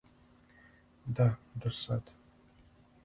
Да, до сад.